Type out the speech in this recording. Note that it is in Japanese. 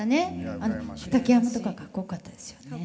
あの畠山とかかっこよかったですよね。